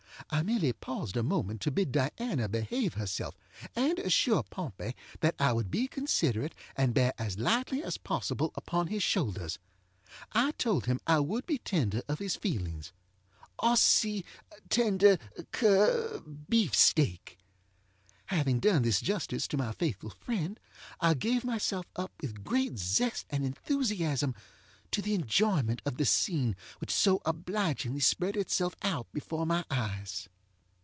I merely paused a moment to bid Diana behave herself, and assure Pompey that I would be considerate and bear as lightly as possible upon his shoulders. I told him I would be tender of his feelingsŌĆöossi tender que beefsteak. Having done this justice to my faithful friend, I gave myself up with great zest and enthusiasm to the enjoyment of the scene which so obligingly spread itself out before my eyes.